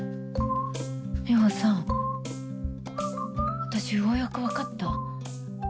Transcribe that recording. ミホさん私ようやく分かった。